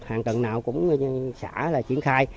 hàng tuần nào cũng xã là triển khai